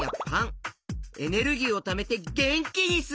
エネルギーをためてげんきにする。